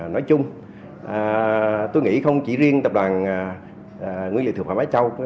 nói chung tôi nghĩ không chỉ riêng tập đoàn nguyên liệu thượng phạm mái châu